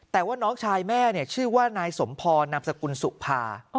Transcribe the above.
แต่ว่าน้องชายแม่ชื่อว่านายสมพรนามสกุลสุภา